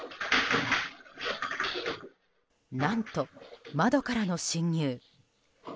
何と、窓からの侵入。